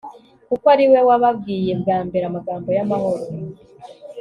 kuko ari we wababwiye bwa mbere amagambo y'amahoro